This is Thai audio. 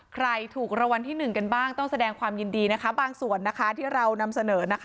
ใครถูกรางวัลที่หนึ่งกันบ้างต้องแสดงความยินดีนะคะบางส่วนนะคะที่เรานำเสนอนะคะ